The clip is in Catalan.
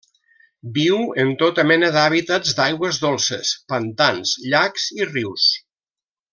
Viu en tota mena d'hàbitats d'aigües dolces: pantans, llacs i rius.